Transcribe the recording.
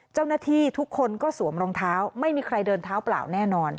เจ้าหน้าที่ทุกคนก็สวมรองเท้าไม่มีใครเดินเท้าเปล่าแน่นอน